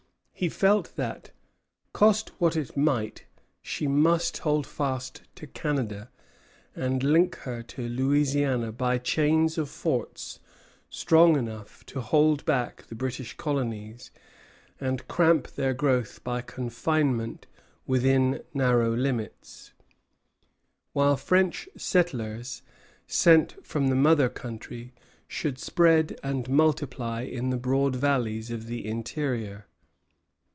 He felt that, cost what it might, she must hold fast to Canada, and link her to Louisiana by chains of forts strong enough to hold back the British colonies, and cramp their growth by confinement within narrow limits; while French settlers, sent from the mother country, should spread and multiply in the broad valleys of the interior.